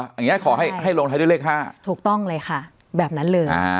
อย่างนี้ขอให้ให้ลงท้ายด้วยเลข๕ถูกต้องเลยค่ะแบบนั้นเลยอ่า